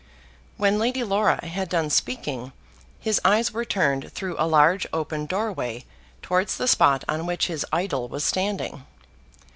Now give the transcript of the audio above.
When Lady Laura had done speaking, his eyes were turned through a large open doorway towards the spot on which his idol was standing.